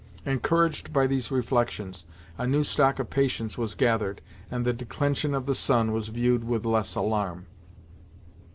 Encouraged by these reflections, a new stock of patience was gathered, and the declension of the sun was viewed with less alarm.